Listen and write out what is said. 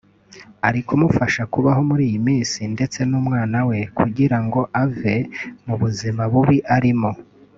ari ukumufasha kubaho muri iyi minsi ndetse n’umwana we kugira ngo ave mu buzima bubi arimo”